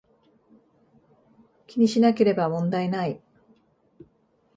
気にしなければ問題無い